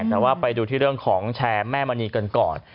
แต่ว่าไปดูที่เรื่องของแชร์แม่มณีกันก่อน